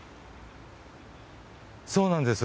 そうなんです。